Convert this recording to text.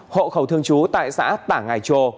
hộ khẩu thường trú tại xã tả ngài trồ